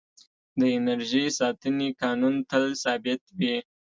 د انرژۍ ساتنې قانون تل ثابت وي.